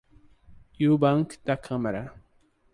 Ewbank da Câmara